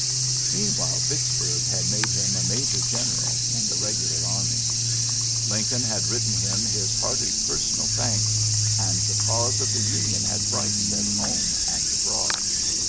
'^ Meanwhile Yicksburg had made him a major general in the regular army. Lincoln had written him his hearty per sonal thanks, and the cause of the Union had brightened at home and abroad.